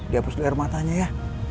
diapus luar matanya ya